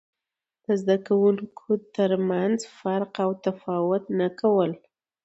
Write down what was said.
د زده کوونکو ترمنځ فرق او تفاوت نه کول.